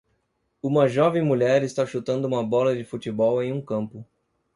Uma jovem mulher está chutando uma bola de futebol em um campo.